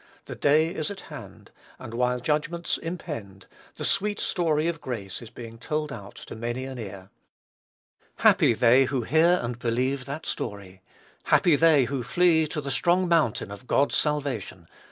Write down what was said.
The day is at hand; and, while judgments impend, the sweet story of grace is being told out to many an ear. Happy they who hear and believe that story! Happy they who flee to the strong mountain of God's salvation!